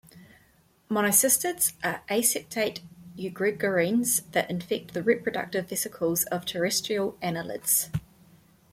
Monocystids are aseptate eugregarines that infect the reproductive vesicles of terrestrial annelids.